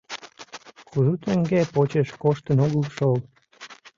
Кужу теҥге почеш коштын огыл шол.